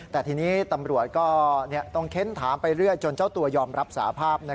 แต่ทีนี้ตำรวจก็ต้องเค้นถามไปเรื่อยจนเจ้าตัวยอมรับสาภาพ